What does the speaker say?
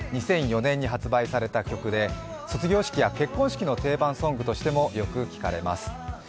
２００４年に発売された曲で卒業式や、定番ソングとしてもよく聴かれます。